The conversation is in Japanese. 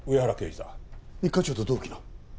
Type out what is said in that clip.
一課長と同期の？